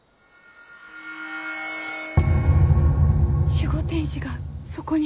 守護天使がそこに。